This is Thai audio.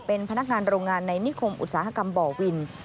เป็นพนักงานโรงงานในนิคมอุตสาหกรรมบ่อวิน